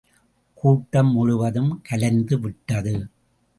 கூட்டம் முழுவதும் கலைந்து விட்டது.